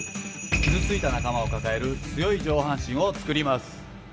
傷ついた仲間を抱える強い上半身を作ります。